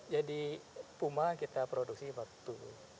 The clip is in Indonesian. jadi puma kita produksi waktu